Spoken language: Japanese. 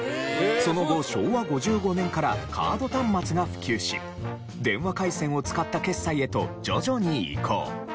その後昭和５５年からカード端末が普及し電話回線を使った決済へと徐々に移行。